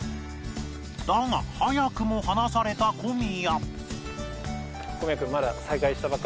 だが早くも離された小宮